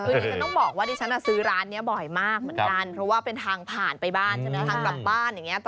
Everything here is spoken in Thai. ถึงต้องบอกว่าดิฉันซื้อร้านนี้บ่อยมากเพราะว่าเป็นทางผ่านไปบ้านจังหรือว่าทางกลับบ้านอย่างนี้